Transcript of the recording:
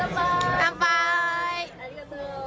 乾杯！